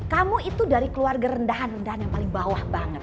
kamu itu dari keluarga rendahan rendahan yang paling bawah banget